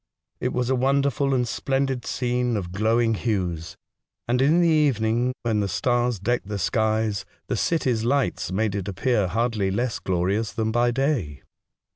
It was a wonder fijl and splendid scene of glowing hues, and in the evening, when the stars decked the sky, the cities' lights made it appear hardly less glorious than by day.